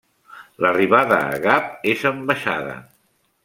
L'arribada a Gap és en baixada.